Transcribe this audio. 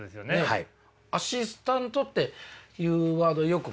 はい。